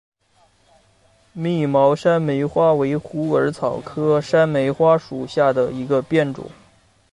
密毛山梅花为虎耳草科山梅花属下的一个变种。